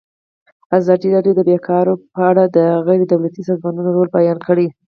ازادي راډیو د بیکاري په اړه د غیر دولتي سازمانونو رول بیان کړی.